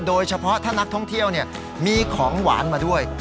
โดยเฉพาะถ้านักท่องเที่ยวมีของหวานมาด้วย